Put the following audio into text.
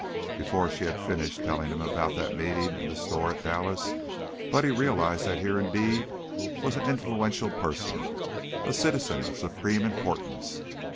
Before she had finished telling him about that meeting in the store at Dallas, Buddy realized that here indeed was an influential person, a citizen of supreme importance.